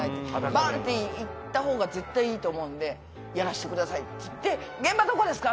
「バンって行ったほうが絶対いいと思うんでやらしてください」っつって「現場どこですか？」